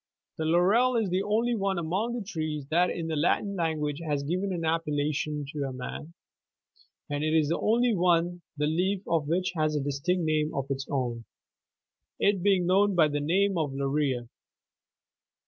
91 The laurel is the only one among the trees that in the Latin language has given an appellation to a man,92 and it is the only one the leaf of which has a distinct name of its own,— it being known by the name of "laurea."